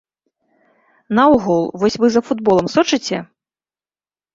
Наогул, вось вы за футболам сочыце?